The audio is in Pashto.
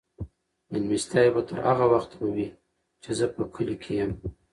مېلمستیاوې به تر هغه وخته وي چې زه په کلي کې یم.